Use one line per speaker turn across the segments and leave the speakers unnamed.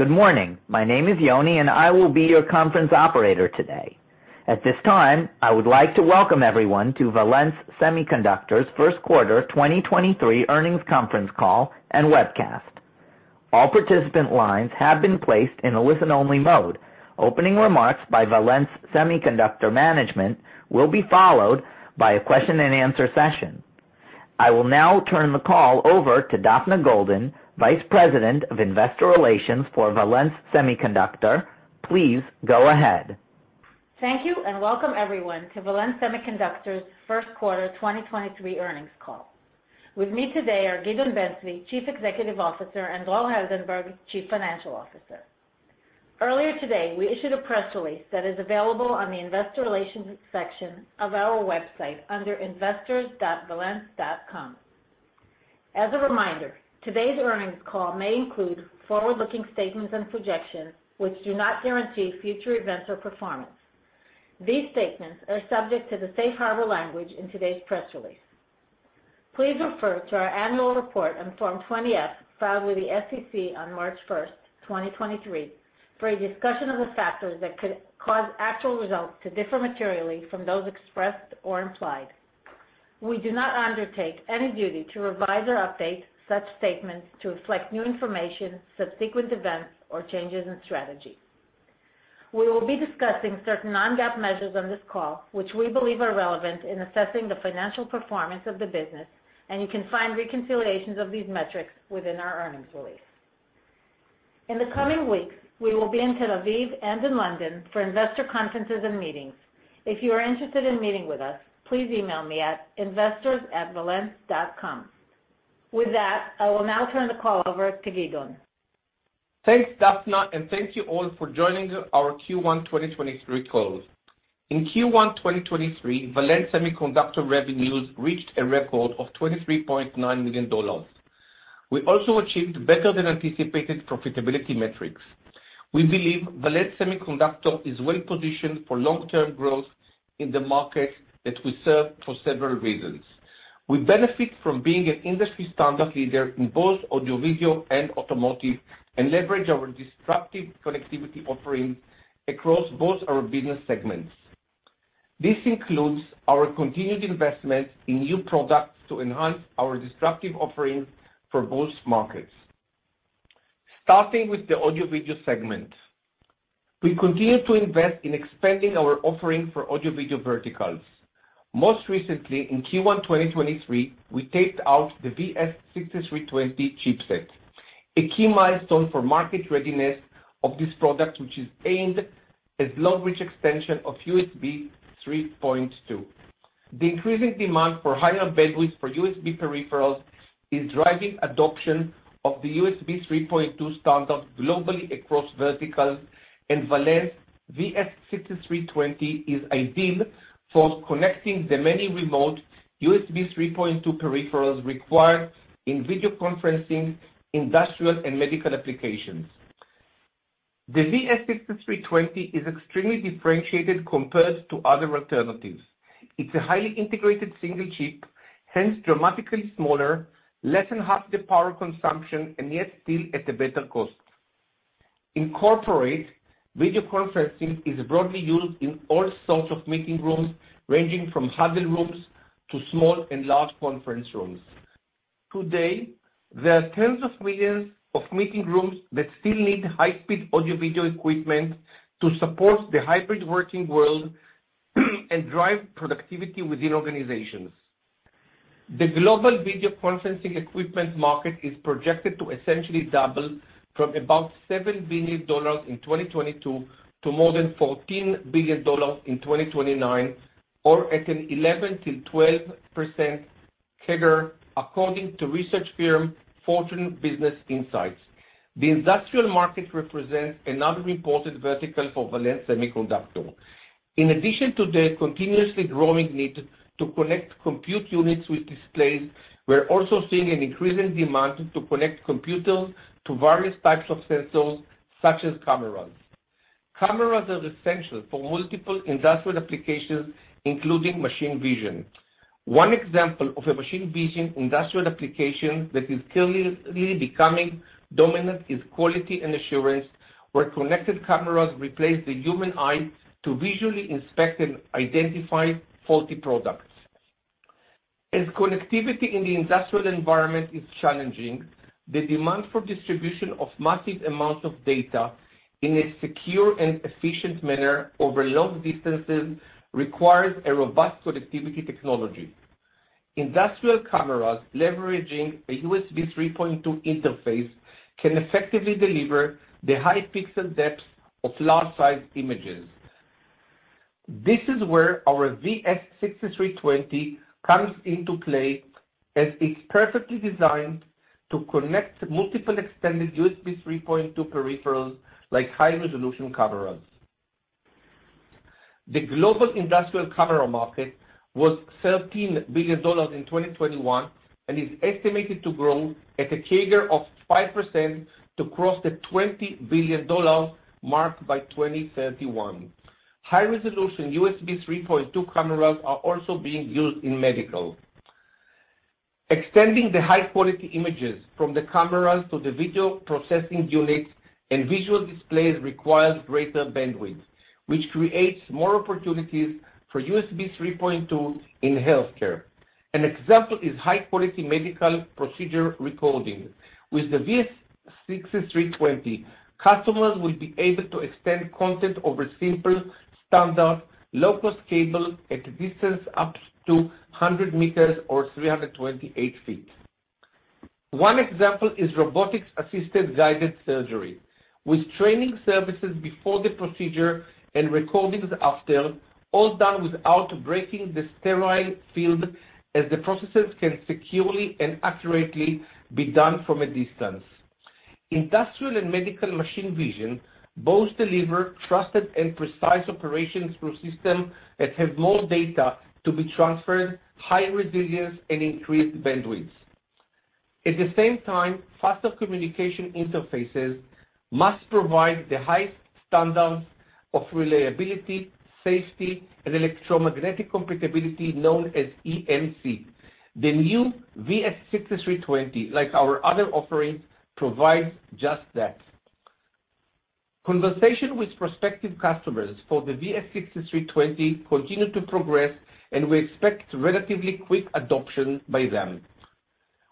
Good morning. My name is Yoni. I will be your conference operator today. At this time, I would like to welcome everyone to Valens Semiconductor's First Quarter 2023 Earnings Conference Call and Webcast. All participant lines have been placed in a listen-only mode. Opening remarks by Valens Semiconductor management will be followed by a question and answer session. I will now turn the call over to Daphna Golden, Vice President of Investor Relations for Valens Semiconductor. Please go ahead.
Thank you, and welcome everyone to Valens Semiconductor's First Quarter 2023 Earnings Call. With me today are Gideon Ben-Zvi, Chief Executive Officer, and Dror Heldenberg, Chief Financial Officer. Earlier today, we issued a press release that is available on the investor relations section of our website under investors.valens.com. As a reminder, today's earnings call may include forward-looking statements and projections which do not guarantee future events or performance. These statements are subject to the safe harbor language in today's press release. Please refer to our annual report on Form 20-F, filed with the SEC on March 1, 2023, for a discussion of the factors that could cause actual results to differ materially from those expressed or implied. We do not undertake any duty to revise or update such statements to reflect new information, subsequent events, or changes in strategy. We will be discussing certain non-GAAP measures on this call, which we believe are relevant in assessing the financial performance of the business, and you can find reconciliations of these metrics within our earnings release. In the coming weeks, we will be in Tel Aviv and in London for investor conferences and meetings. If you are interested in meeting with us, please email me at investors@valens.com. With that, I will now turn the call over to Gideon.
Thanks, Daphna, and thank you all for joining our Q1 2023 call. In Q1 2023, Valens Semiconductor revenues reached a record of $23.9 million. We also achieved better than anticipated profitability metrics. We believe Valens Semiconductor is well-positioned for long-term growth in the markets that we serve for several reasons. We benefit from being an industry standard leader in both Audio Video and Automotive, and leverage our disruptive connectivity offerings across both our business segments. This includes our continued investment in new products to enhance our disruptive offerings for both markets. Starting with the Audio Video segment. We continue to invest in expanding our offering for Audio Video verticals. Most recently, in Q1 2023, we taped out the VS6320 chipset, a key milestone for market readiness of this product, which is aimed as long-reach extension of USB 3.2. The increasing demand for higher bandwidth for USB peripherals is driving adoption of the USB 3.2 standard globally across verticals. Valens VS6320 is ideal for connecting the many remote USB 3.2 peripherals required in video conferencing, industrial, and medical applications. The VS6320 is extremely differentiated compared to other alternatives. It's a highly integrated single chip, hence dramatically smaller, less than half the power consumption, and yet still at a better cost. In corporate, video conferencing is broadly used in all sorts of meeting rooms, ranging from huddle rooms to small and large conference rooms. Today, there are tens of millions of meeting rooms that still need high-speed audio video equipment to support the hybrid working world and drive productivity within organizations. The global video conferencing equipment market is projected to essentially double from about $7 billion in 2022 to more than $14 billion in 2029, or at an 11%-12% CAGR according to research firm Fortune Business Insights. The industrial market represents another important vertical for Valens Semiconductor. In addition to the continuously growing need to connect compute units with displays, we're also seeing an increasing demand to connect computers to various types of sensors, such as cameras. Cameras are essential for multiple industrial applications, including machine vision. One example of a machine vision industrial application that is currently becoming dominant is quality and assurance, where connected cameras replace the human eye to visually inspect and identify faulty products. As connectivity in the industrial environment is challenging, the demand for distribution of massive amounts of data in a secure and efficient manner over long distances requires a robust connectivity technology. Industrial cameras leveraging a USB 3.2 interface can effectively deliver the high pixel depth of large-sized images. This is where our VS6320 comes into play, as it's perfectly designed to connect multiple extended USB 3.2 peripherals like high-resolution cameras. The global industrial camera market was $13 billion in 2021 and is estimated to grow at a CAGR of 5% to cross the $20 billion marked by 2031. High resolution USB 3.2 cameras are also being used in medical. Extending the high quality images from the cameras to the video processing units and visual displays requires greater bandwidth, which creates more opportunities for USB 3.2 in healthcare. An example is high quality medical procedure recording. With the VS6320, customers will be able to extend content over simple, standard, low-cost cable at a distance up to 100 meters or 328 feet. One example is robotics assisted guided surgery, with training services before the procedure and recordings after, all done without breaking the sterile field as the processes can securely and accurately be done from a distance. Industrial and medical machine vision both deliver trusted and precise operations through system that have more data to be transferred, high resilience and increased bandwidth. At the same time, faster communication interfaces must provide the highest standards of reliability, safety, and electromagnetic compatibility known as EMC. The new VS6320, like our other offerings, provides just that. Conversation with prospective customers for the VS6320 continue to progress. We expect relatively quick adoption by them.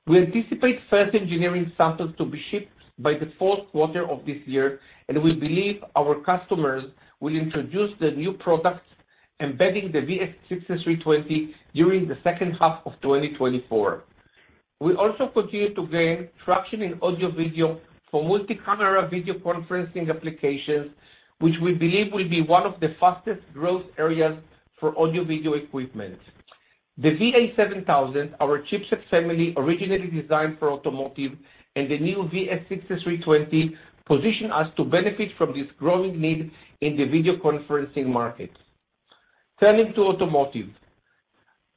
We anticipate first engineering samples to be shipped by the fourth quarter of this year. We believe our customers will introduce the new products embedding the VS6320 during the second half of 2024. We also continue to gain traction in audio video for multi-camera video conferencing applications, which we believe will be one of the fastest growth areas for audio video equipment. The VA7000, our chipset family originally designed for automotive, and the new VS6320 position us to benefit from this growing need in the video conferencing market. Turning to automotive.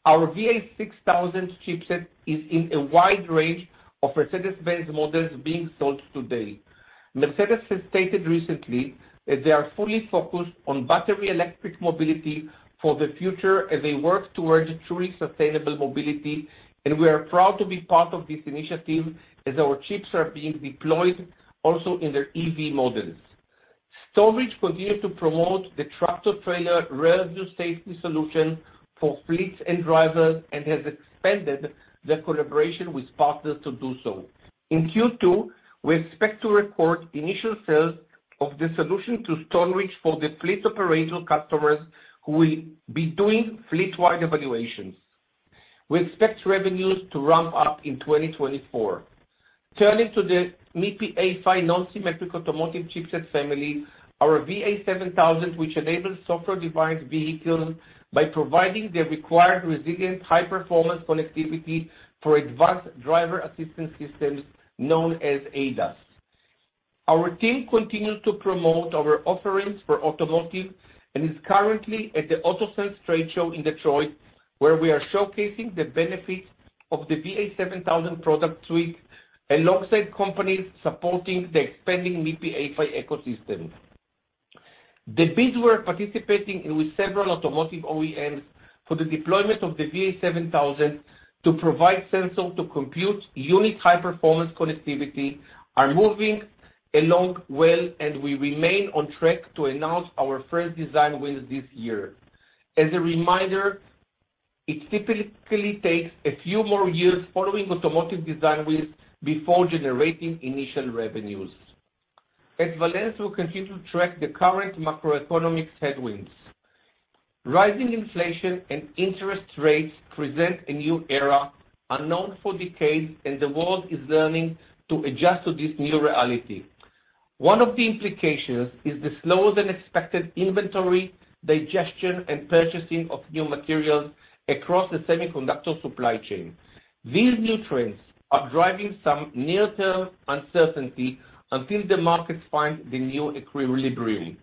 Our VA6000 chipset is in a wide range of Mercedes-Benz models being sold today. Mercedes has stated recently that they are fully focused on battery electric mobility for the future as they work towards truly sustainable mobility, and we are proud to be part of this initiative as our chips are being deployed also in their EV models. Stoneridge continue to promote the tractor-trailer rear view safety solution for fleets and drivers and has expanded their collaboration with partners to do so. In Q2, we expect to record initial sales of the solution to Stoneridge for the fleet operational customers who will be doing fleet-wide evaluations. We expect revenues to ramp up in 2024. Turning to the MIPI A-PHY nonsymmetrical automotive chipset family, our VA7000, which enables software-defined vehicles by providing the required resilient high-performance connectivity for advanced driver assistance systems known as ADAS. Our team continues to promote our offerings for automotive and is currently at the AutoSens trade show in Detroit, where we are showcasing the benefits of the VA7000 product suite alongside companies supporting the expanding MIPI A-PHY ecosystem. The bids we're participating in with several automotive OEMs for the deployment of the VA7000 to provide sensor-to-compute unit high-performance connectivity are moving along well, and we remain on track to announce our first design wins this year. As a reminder, it typically takes a few more years following automotive design wins before generating initial revenues. At Valens, we continue to track the current macroeconomic headwinds. Rising inflation and interest rates present a new era unknown for decades, and the world is learning to adjust to this new reality. One of the implications is the slower than expected inventory digestion and purchasing of new materials across the semiconductor supply chain. These new trends are driving some near-term uncertainty until the markets find the new equilibrium.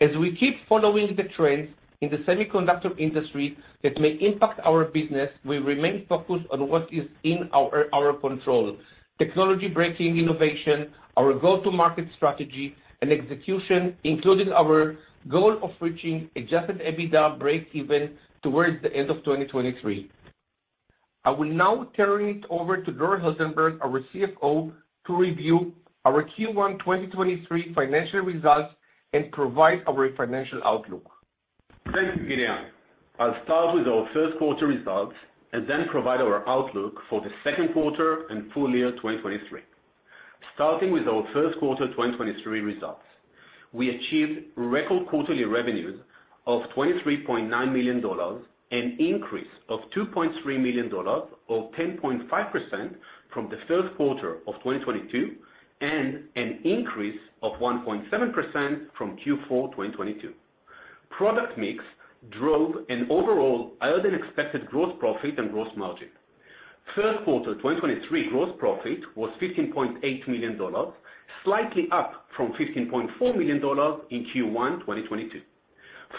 As we keep following the trends in the semiconductor industry that may impact our business, we remain focused on what is in our control: technology-breaking innovation, our go-to-market strategy, and execution, including our goal of reaching adjusted EBITDA breakeven towards the end of 2023. I will now turn it over to Dror Heldenberg, our CFO, to review our Q1 2023 financial results and provide our financial outlook.
Thank you, Gideon. I'll start with our first quarter results and then provide our outlook for the second quarter and full year 2023. Starting with our first quarter 2023 results. We achieved record quarterly revenues of $23.9 million, an increase of $2.3 million or 10.5% from the first quarter of 2022, and an increase of 1.0% from Q4, 2022. Product mix drove an overall higher than expected gross profit and gross margin. First quarter 2023 gross profit was $15.8 million, slightly up from $15.4 million in Q1, 2022.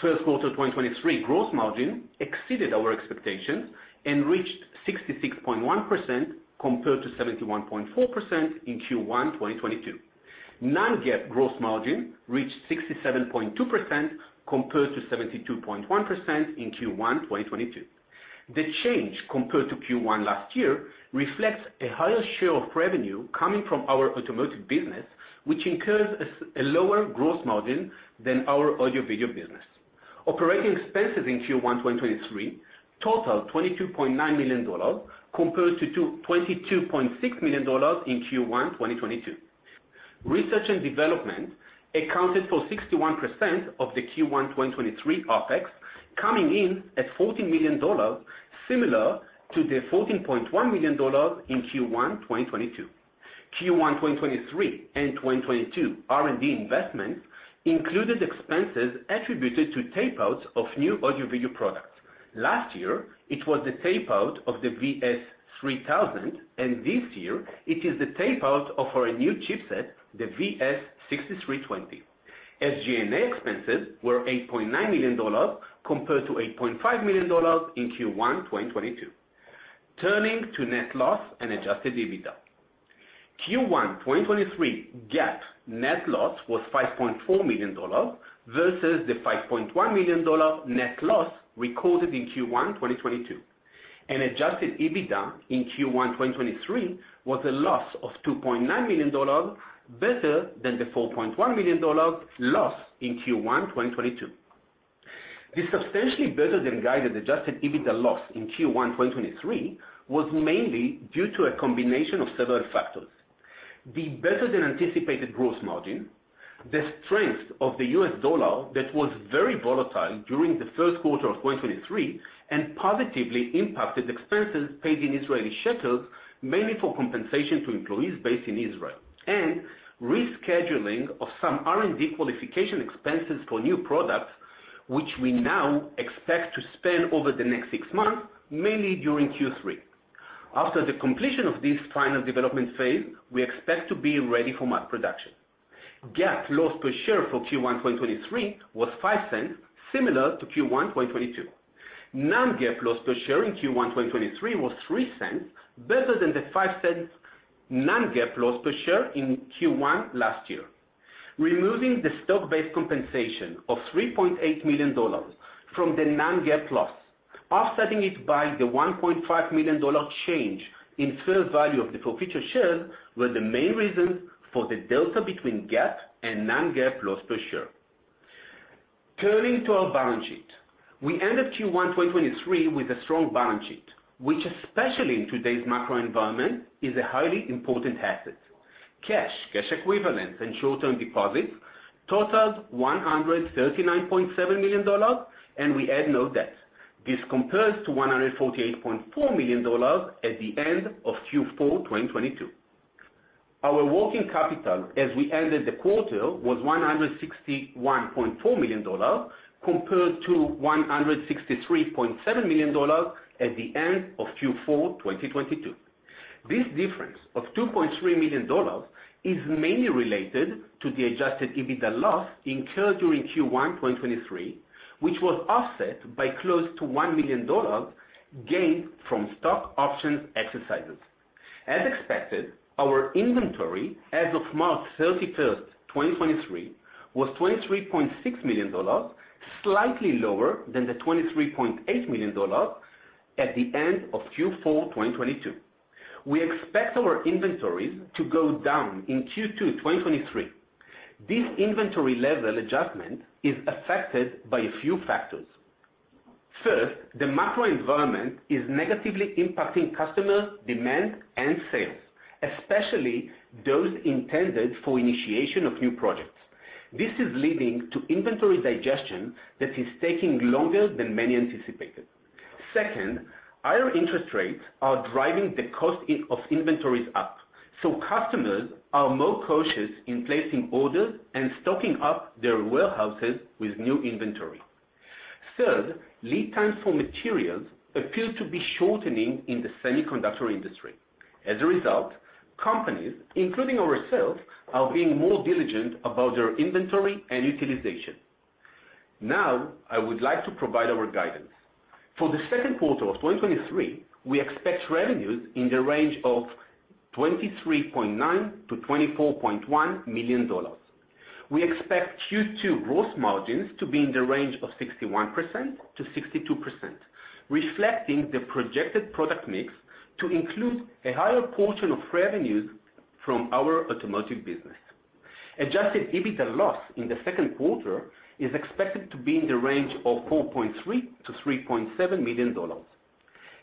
First quarter 2023 gross margin exceeded our expectations and reached 66.1% compared to 71.4% in Q1 2022. non-GAAP gross margin reached 67.2% compared to 72.1% in Q1 2022. The change compared to Q1 last year reflects a lower gross margin than our audio video business. Operating expenses in Q1 2023 totaled $22.9 million compared to $22.6 million in Q1 2022. Research and development accounted for 61% of the Q1 2023 OpEx, coming in at $14 million, similar to the $14.1 million in Q1 2022. Q1 2023 and 2022 R&D investments included expenses attributed to tape-outs of new audio video products. Last year it was the tape-out of the VS3000, this year it is the tape-out of our new chipset, the VS6320. SG&A expenses were $8.9 million compared to $8.5 million in Q1 2022. Turning to net loss and adjusted EBITDA. Q1 2023 GAAP net loss was $5.4 million versus the $5.1 million dollar net loss recorded in Q1 2022. adjusted EBITDA in Q1 2023 was a loss of $2.9 million, better than the $4.1 million loss in Q1 2022. The substantially better-than-guided adjusted EBITDA loss in Q1 2023 was mainly due to a combination of several factors. The better-than-anticipated gross margin, the strength of the US dollar that was very volatile during the first quarter of 2023 and positively impacted expenses paid in Israeli shekels, mainly for compensation to employees based in Israel. Rescheduling of some R&D qualification expenses for new products, which we now expect to spend over the next six months, mainly during Q3. After the completion of this final development phase, we expect to be ready for mass production. GAAP loss per share for Q1 2023 was $0.05, similar to Q1 2022. Non-GAAP loss per share in Q1 2023 was $0.03, better than the $0.05 non-GAAP loss per share in Q1 last year. Removing the stock-based compensation of $3.8 million from the non-GAAP loss, offsetting it by the $1.5 million change in fair value of the forfeiture shares were the main reason for the delta between GAAP and non-GAAP loss per share. Turning to our balance sheet. We ended Q1 2023 with a strong balance sheet, which especially in today's macro environment, is a highly important asset. Cash, cash equivalents and short-term deposits totaled $139.7 million, and we had no debt. This compares to $148.4 million at the end of Q4 2022. Our working capital as we ended the quarter, was $161.4 million compared to $163.7 million at the end of Q4 2022. This difference of $2.3 million is mainly related to the adjusted EBITDA loss incurred during Q1 2023, which was offset by close to $1 million gained from stock option exercises. As expected, our inventory as of March 31st, 2023 was $23.6 million, slightly lower than the $23.8 million at the end of Q4 2022. We expect our inventories to go down in Q2 2023. This inventory level adjustment is affected by a few factors. First, the macro environment is negatively impacting customer demand and sales, especially those intended for initiation of new projects. This is leading to inventory digestion that is taking longer than many anticipated. Second, higher interest rates are driving the cost of inventories up, so customers are more cautious in placing orders and stocking up their warehouses with new inventory. Lead times for materials appear to be shortening in the semiconductor industry. Companies, including ourselves, are being more diligent about their inventory and utilization. I would like to provide our guidance. For the second quarter of 2023, we expect revenues in the range of $23.9 million-$24.1 million. We expect Q2 gross margins to be in the range of 61%-62%, reflecting the projected product mix to include a higher portion of revenues from our automotive business. Adjusted EBITDA loss in the second quarter is expected to be in the range of $4.3 million-$3.7 million.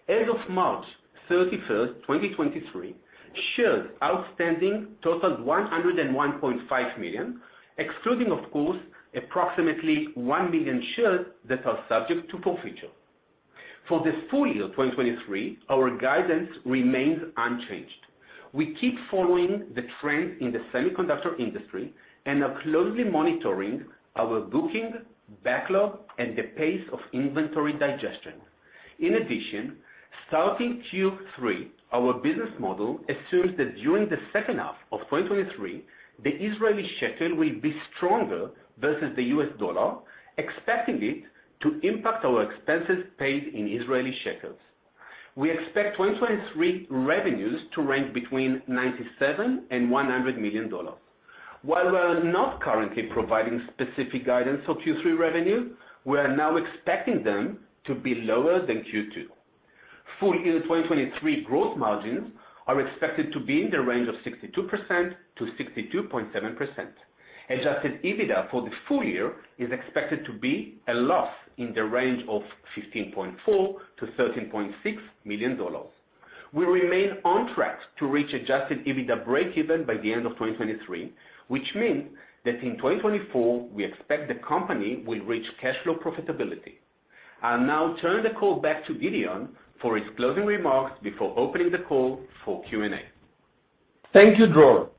As of March 31st, 2023, shares outstanding totaled 101.5 million, excluding of course, approximately 1 million shares that are subject to forfeiture. For the full year 2023, our guidance remains unchanged. We keep following the trend in the semiconductor industry and are closely monitoring our booking backlog and the pace of inventory digestion. Starting Q3, our business model assumes that during the second half of 2023, the Israeli shekel will be stronger versus the US dollar, expecting it to impact our expenses paid in Israeli shekels. We expect 2023 revenues to rank between $97 million and $100 million. While we're not currently providing specific guidance for Q3 revenue, we are now expecting them to be lower than Q2. Full year 2023 growth margins are expected to be in the range of 62% to 62.7%. Adjusted EBITDA for the full year is expected to be a loss in the range of $15.4 million to $13.6 million. We remain on track to reach adjusted EBITDA breakeven by the end of 2023, which means that in 2024, we expect the company will reach cash flow profitability. I'll now turn the call back to Gideon for his closing remarks before opening the call for Q&A. Thank you, Dror.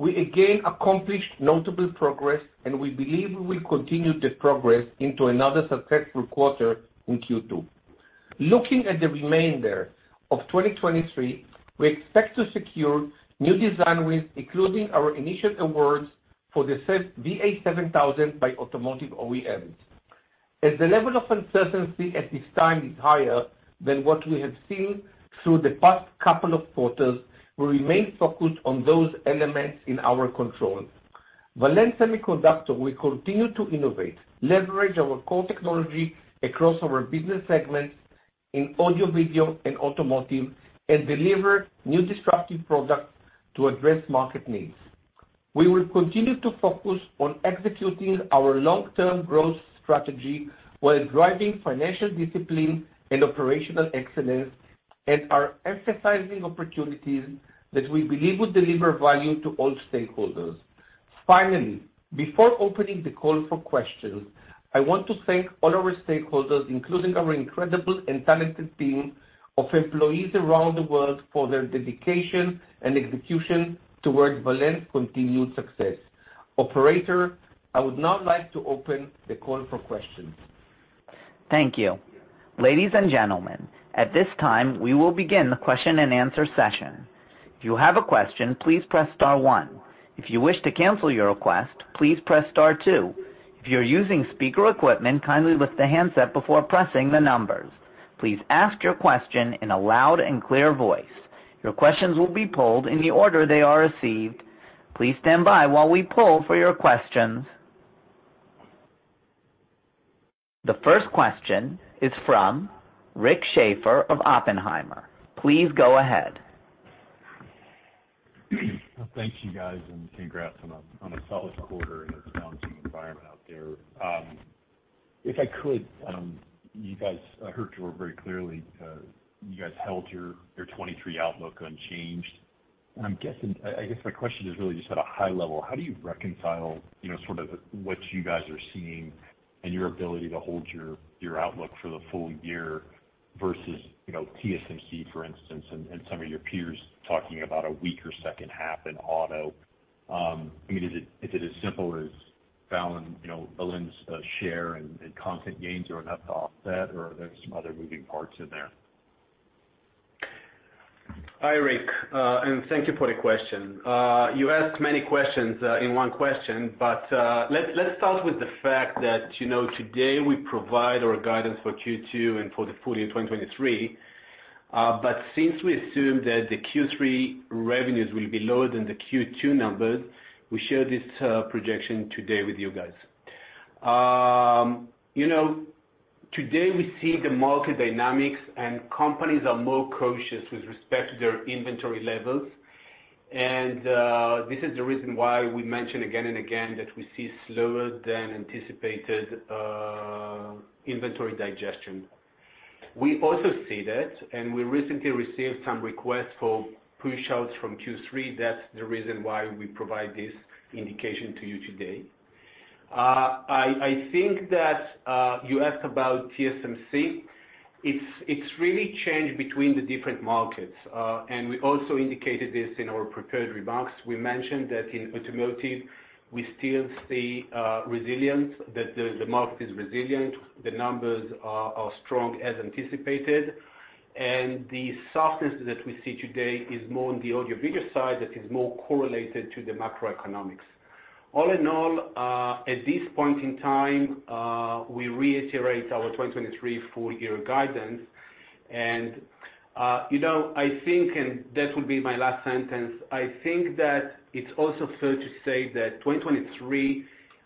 We believe we will continue the progress into another successful quarter in Q2. Looking at the remainder of 2023, we expect to secure new design wins, including our initial awards for the VA7000 by automotive OEMs. The level of uncertainty at this time is higher than what we have seen through the past couple of quarters, we remain focused on those elements in our control. Valens Semiconductor will continue to innovate, leverage our core technology across our business segments in audio video and automotive, and deliver new disruptive products to address market needs. We will continue to focus on executing our long-term growth strategy while driving financial discipline and operational excellence and are emphasizing opportunities that we believe will deliver value to all stakeholders. Finally, before opening the call for questions, I want to thank all our stakeholders, including our incredible and talented team of employees around the world, for their dedication and execution towards Valens' continued success. Operator, I would now like to open the call for questions.
Thank you. Ladies and gentlemen, at this time, we will begin the question-and-answer session. If you have a question, please press star one. If you wish to cancel your request, please press star two. If you're using speaker equipment, kindly lift the handset before pressing the numbers. Please ask your question in a loud and clear voice. Your questions will be polled in the order they are received. Please stand by while we poll for your questions. The first question is from Rick Schafer of Oppenheimer. Please go ahead.
Thank you, guys, congrats on a solid quarter in a challenging environment out there. If I could, I heard you all very clearly, you guys held your 23 outlook unchanged. I guess my question is really just at a high level, how do you reconcile, you know, sort of what you guys are seeing and your ability to hold your outlook for the full year versus, you know, TSMC, for instance, and some of your peers talking about a weaker second half in auto. I mean, is it as simple as you know, Valens share and content gains are enough to offset, or are there some other moving parts in there?
Hi, Rick. Thank you for the question. You asked many questions in one question. Let's start with the fact that, you know, today we provide our guidance for Q2 and for the full year 2023. Since we assume that the Q3 revenues will be lower than the Q2 numbers, we share this projection today with you guys. You know, today we see the market dynamics and companies are more cautious with respect to their inventory levels. This is the reason why we mention again and again that we see slower than anticipated inventory digestion. We also see that. We recently received some requests for pushouts from Q3. That's the reason why we provide this indication to you today. I think that you asked about TSMC. It's really changed between the different markets. We also indicated this in our prepared remarks. We mentioned that in automotive, we still see resilience, that the market is resilient. The numbers are strong as anticipated. The softness that we see today is more on the Audio-Video side that is more correlated to the macroeconomics. All in all, at this point in time, we reiterate our 2023 full year guidance. You know, I think, and that will be my last sentence, I think that it's also fair to say that 2023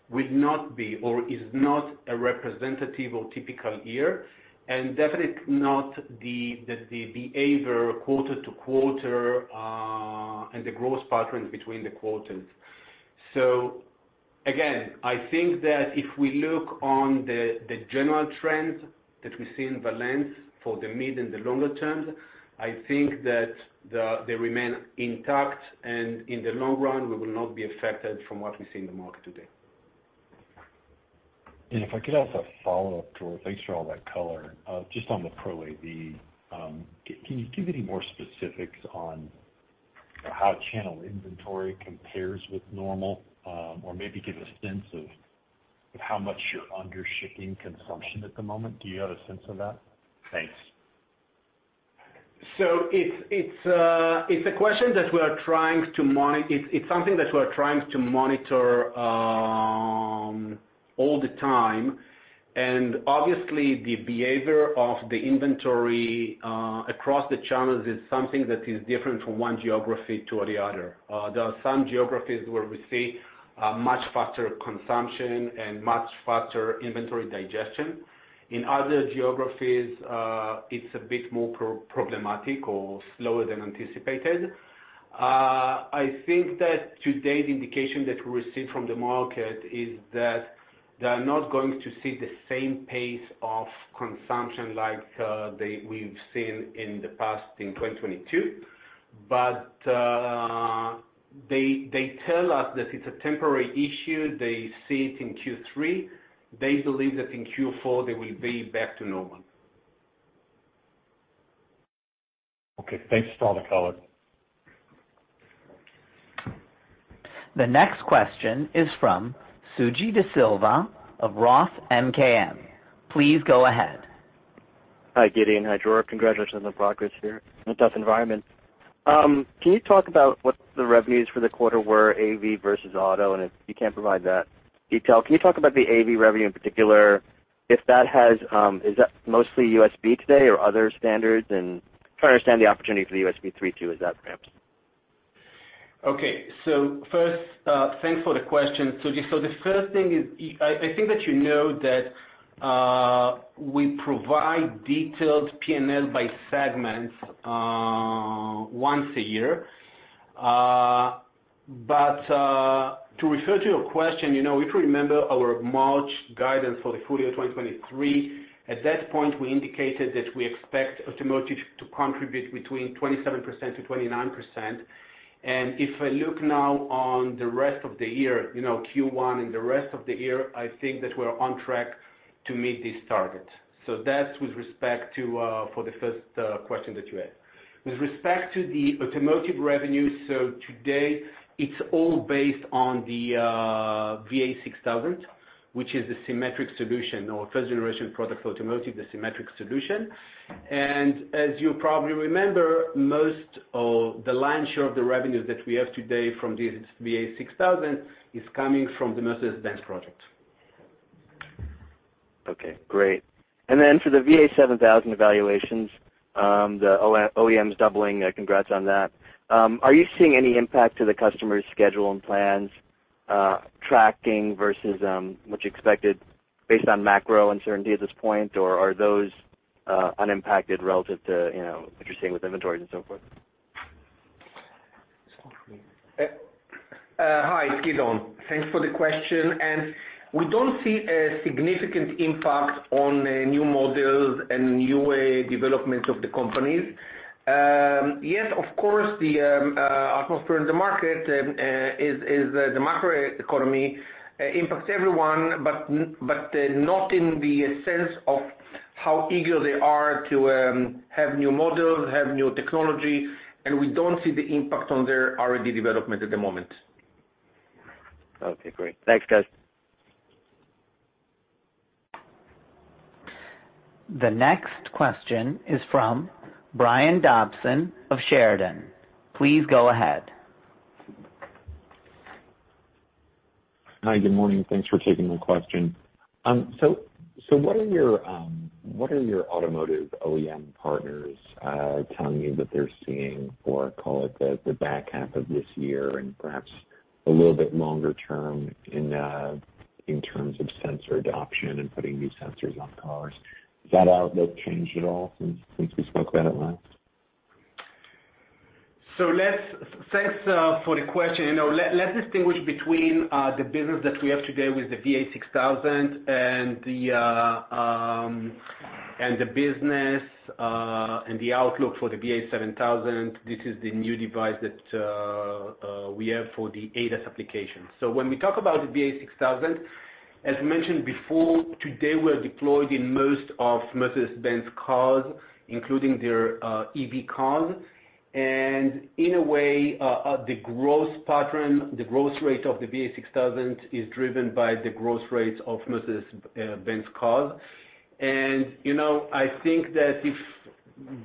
will not be or is not a representative or typical year, and definitely not the behavior quarter to quarter, and the growth patterns between the quarters. Again, I think that if we look on the general trends that we see in Valens for the mid and the longer terms, I think that the, they remain intact, and in the long run, we will not be affected from what we see in the market today.
If I could ask a follow-up, Dror. Thanks for all that color. Just on the Pro AV, can you give any more specifics on how channel inventory compares with normal? Or maybe give a sense of how much you're under shipping consumption at the moment. Do you have a sense of that? Thanks.
It's a question that we are trying to monitor all the time. Obviously the behavior of the inventory across the channels is something that is different from one geography to the other. There are some geographies where we see a much faster consumption and much faster inventory digestion. In other geographies, it's a bit more problematic or slower than anticipated. I think that today's indication that we received from the market is that they are not going to see the same pace of consumption like we've seen in the past in 2022. They tell us that it's a temporary issue. They see it in Q3. They believe that in Q4 they will be back to normal.
Okay, thanks for all the color.
The next question is from Suji Desilva of Roth MKM. Please go ahead.
Hi, Gideon. Hi, Dror. Congratulations on the progress here in a tough environment. Can you talk about what the revenues for the quarter were AV versus auto? If you can't provide that detail, can you talk about the AV revenue in particular? Is that mostly USB today or other standards and trying to understand the opportunity for the USB 3.2, as that ramps.
Okay. First, thanks for the question, Suji. The first thing is I think that you know that, we provide detailed P&L by segments, once a year. To refer to your question, you know, if you remember our March guidance for the full year 2023, at that point, we indicated that we expect automotive to contribute between 27%-29%. If I look now on the rest of the year, you know, Q1 and the rest of the year, I think that we're on track to meet this target. That's with respect to, for the first, question that you asked. With respect to the automotive revenue, today it's all based on the, VA6000, which is a symmetric solution or first generation product automotive, the symmetric solution. as you probably remember, most of the lion's share of the revenues that we have today from this VA6000 is coming from the Mercedes-Benz project.
Okay, great. For the VA7000 evaluations, the OEMs doubling, congrats on that. Are you seeing any impact to the customer's schedule and plans, tracking versus, what you expected based on macro uncertainty at this point? Or are those unimpacted relative to, you know, what you're seeing with inventories and so forth?
Hi, it's Gideon. Thanks for the question. We don't see a significant impact on new models and new developments of the companies. Yes, of course, the atmosphere in the market is the macro economy impacts everyone, but not in the sense of how eager they are to have new models, have new technology, and we don't see the impact on their R&D development at the moment.
Okay, great. Thanks, guys.
The next question is from Brian Dobson of Chardan. Please go ahead.
Hi. Good morning. Thanks for taking the question. What are your automotive OEM partners telling you that they're seeing for, call it, the back half of this year and perhaps a little bit longer term in terms of sensor adoption and putting new sensors on cars? Has that outlook changed at all since we spoke about it last?
Thanks for the question. You know, let's distinguish between the business that we have today with the VA6000 and the business and the outlook for the VA7000. This is the new device that we have for the ADAS application. When we talk about the VA6000, as mentioned before, today, we're deployed in most of Mercedes-Benz cars, including their EV cars. In a way, the growth pattern, the growth rate of the VA6000 is driven by the growth rates of Mercedes-Benz cars. You know, I think that if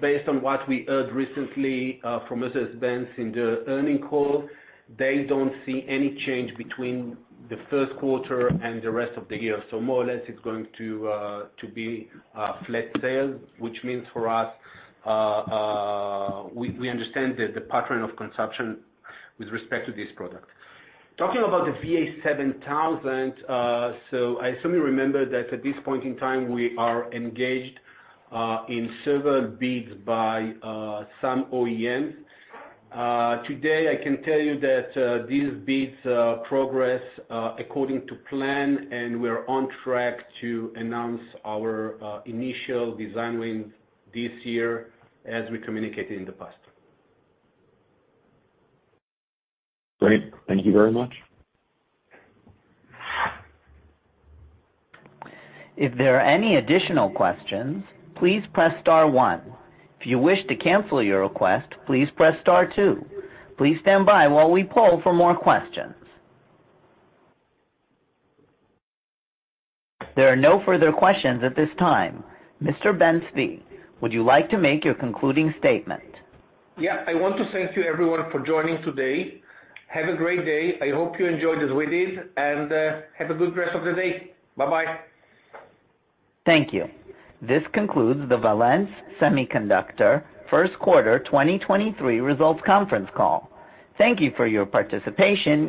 based on what we heard recently from Mercedes-Benz in the earnings call, they don't see any change between the first quarter and the rest of the year. More or less, it's going to be a flat sale, which means for us, we understand that the pattern of consumption with respect to this product. Talking about the VA7000, I assume you remember that at this point in time, we are engaged in several bids by some OEMs. Today, I can tell you that these bids progress according to plan, and we're on track to announce our initial design win this year as we communicated in the past.
Great. Thank you very much.
If there are any additional questions, please press star one. If you wish to cancel your request, please press star two. Please stand by while we poll for more questions. There are no further questions at this time. Mr. Ben-Zvi, would you like to make your concluding statement?
Yeah. I want to thank you everyone for joining today. Have a great day. I hope you enjoyed it as we did, and, have a good rest of the day. Bye-bye.
Thank you. This concludes the Valens Semiconductor first quarter 2023 results conference call. Thank you for your participation.